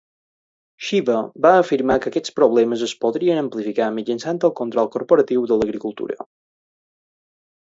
Shiva va afirmar que aquests problemes es podrien amplificar mitjançant el control corporatiu de l'agricultura.